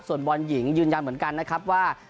ส่วนบอลหญิงยืนยันเหมือนกันนะครับว่า